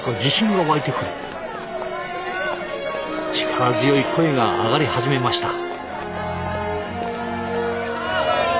力強い声が上がり始めました。